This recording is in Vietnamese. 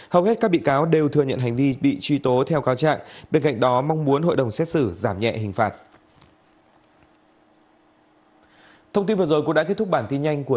hầu hết các bị cáo đều thừa nhận hành vi bị truy tố theo cáo trạng bên cạnh đó mong muốn hội đồng xét xử giảm nhẹ hình phạt